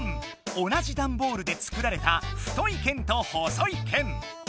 同じダンボールで作られた太い剣と細い剣。